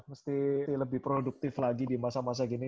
mesti lebih produktif lagi di masa masa gini